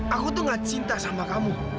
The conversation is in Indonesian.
aku tuh gak cinta sama kamu